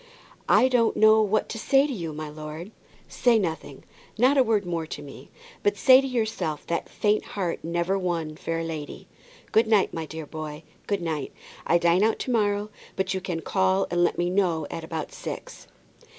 "I don't know what to say to you, my lord." "Say nothing, not a word more to me. But say to yourself that faint heart never won fair lady. Good night, my dear boy, good night. I dine out to morrow, but you can call and let me know at about six."